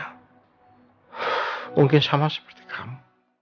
mungkin sama seperti kamu